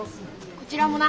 こちらもな。